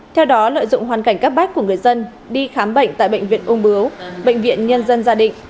theo đó lợi dụng hoàn cảnh cấp bách của người dân đi khám bệnh tại bệnh viện ung bướu bệnh viện nhân dân gia định